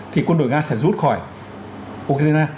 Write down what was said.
thì quân đội nga sẽ rút khỏi